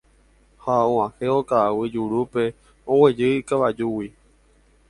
Ha og̃uahẽvo ka'aguy jurúpe oguejy ikavajúgui.